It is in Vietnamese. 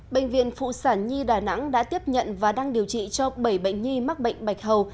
bệnh viện phụ sản nhi đà nẵng đã tiếp nhận và đang điều trị cho bảy bệnh nhi mắc bệnh bạch hầu